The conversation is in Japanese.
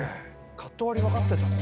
カット割り分かってたんだ。